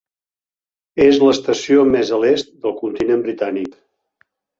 És l'estació més a l'est al continent britànic.